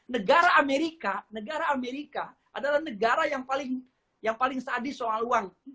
negara amerika adalah negara yang paling sadis soal uang